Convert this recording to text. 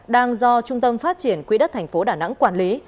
đang do trung tâm phát triển quỹ đất thành phố đà nẵng quản lý